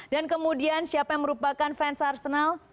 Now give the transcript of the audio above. dan kemudian siapa yang merupakan fans arsenal